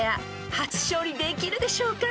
［初勝利できるでしょうか？］